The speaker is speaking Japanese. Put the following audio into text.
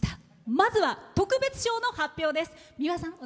まずは特別賞の発表です。